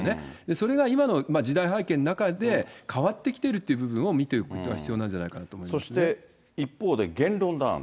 それが今の時代背景の中で変わってきているという部分を見ておくことが必要なんじゃないかと思いそして一方で、言論弾圧。